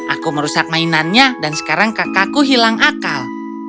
aku merusak mainannya dan sekarang kakakku hilang akal